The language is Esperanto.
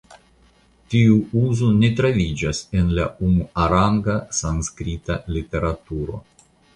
Tiu uzo ne troviĝas en la unuaranga sanskrita literaturo.